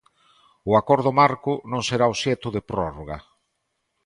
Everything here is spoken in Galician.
O acordo marco non será obxecto de prórroga.